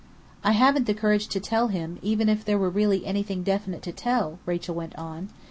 "I haven't the courage to tell him, even if there were really anything definite enough to tell," Rachel went on.